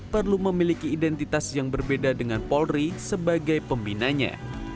perlu memiliki identitas yang berbeda dengan polri sebagai pembinanya